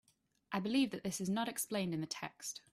I believe that this is not explained in the text.